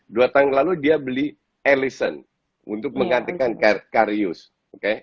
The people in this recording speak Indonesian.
dua tahun lalu dia beli ellison untuk menggantikan karius oke